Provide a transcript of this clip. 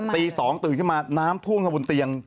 ตี๒ตื่นขึ้นมาน้ำท่วมเข้าบนเตียง